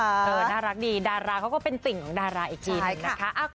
น่ารักดีดาราเขาก็เป็นติ่งของดาราอีกทีหนึ่งนะคะ